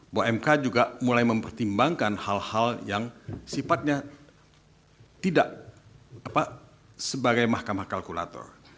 bahwa mk juga mulai mempertimbangkan hal hal yang sifatnya tidak sebagai mahkamah kalkulator